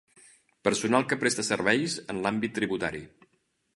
Personal que presta serveis en l'àmbit tributari.